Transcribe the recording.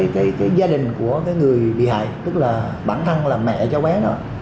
cái gia đình của người bị hại tức là bản thân là mẹ cho bé đó